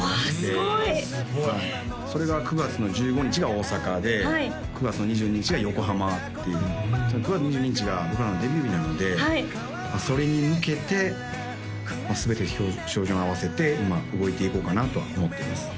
すごいすごいそれが９月の１５日が大阪で９月の２２日が横浜っていう９月２２日が僕らのデビュー日なのでそれに向けて全て照準合わせて今動いていこうかなとは思ってます